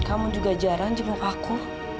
kamu juga jarang jenguk aku